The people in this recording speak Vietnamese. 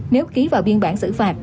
nếu ký vào biên bản xử phạt